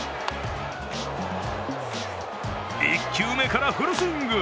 １球目からフルスイング！